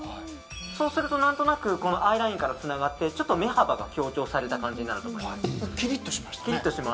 そうすると何となくアイラインからつながってちょっと目幅が強調された感じになると思います。